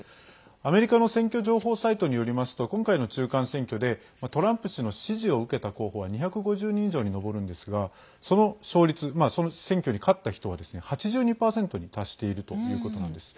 アメリカの選挙情報サイトによりますと今回の中間選挙でトランプ氏の支持を受けた候補は２５０人以上に上るんですがその勝率、選挙に勝った人は８２％に達しているということなんです。